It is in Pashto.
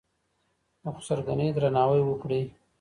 د خسرګنۍ درناوی وکړئ.